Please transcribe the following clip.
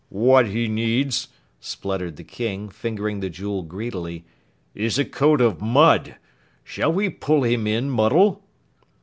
"What he needs," spluttered the King, fingering the jewel greedily, "is a coat of mud! Shall we pull him in, Muddle?"